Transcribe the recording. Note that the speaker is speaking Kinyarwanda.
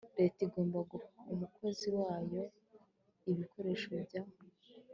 Leta igomba guha umukozi wayo ibikoresho bya